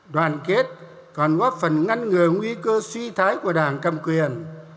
đoàn kết còn góp phần ngăn ngừa nguy cơ suy thái của đảng cầm quyền